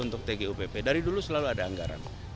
untuk tgupp dari dulu selalu ada anggaran